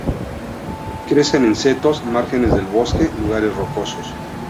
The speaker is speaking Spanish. Crece en setos, márgenes del bosque, lugares rocosos.